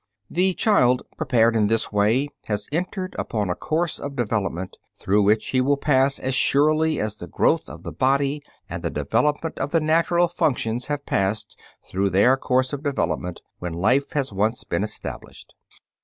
The child prepared in this way has entered upon a course of development through which he will pass as surely as the growth of the body and the development of the natural functions have passed through their course of development when life has once been established.